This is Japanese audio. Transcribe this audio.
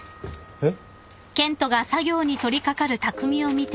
えっ？